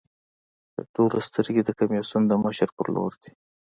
د ټولو سترګې د کمېسیون د مشر په لور دي.